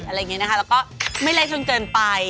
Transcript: อะไรอย่างนี้นะคะแล้วก็ไม่เละจนเกินไป